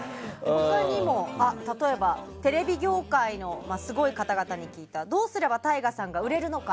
他にも、例えばテレビ業界のすごい方々に聞いたどうすればＴＡＩＧＡさんが売れるのか。